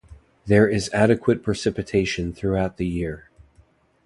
There is adequate precipitation throughout the year.